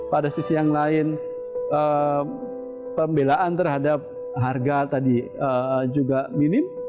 pada sisi yang lain pembelaan terhadap harga tadi juga minim